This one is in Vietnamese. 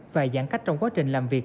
và giãn cách trong quá trình làm việc